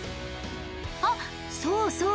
あっそうそう。